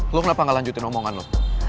lo kenapa gak lanjutin omongan lo